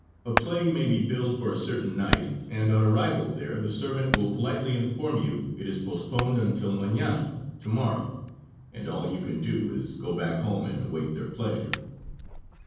A play may be billed for a certain night and on arrival there the servant will politely inform you it is postponed until mauana (to morrow), and all you can do is to go back home and await their pleasure.